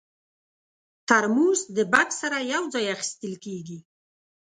ترموز د بکس سره یو ځای اخیستل کېږي.